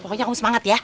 pokoknya kamu semangat ya